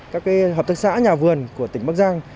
các hợp tác xã nhà vườn của tỉnh bắc giang